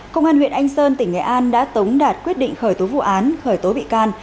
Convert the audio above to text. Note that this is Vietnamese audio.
công an huyện anh sơn tỉnh nghệ an đã tống đạt quyết định khởi tố vụ án khởi tố bị can